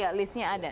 ya listnya ada